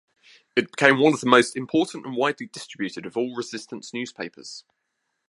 It became one of the most important and widely distributed of all Resistance newspapers.